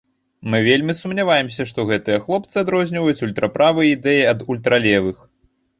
Мы вельмі сумняваемся, што гэтыя хлопцы адрозніваюць ультраправыя ідэі ад ультралевых.